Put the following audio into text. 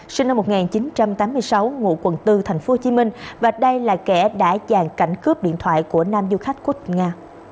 sinh năm một nghìn chín trăm tám mươi sáu ngụ quận bốn tp hcm và đây là kẻ đã giàn cảnh cướp điện thoại của nam du khách quốc nga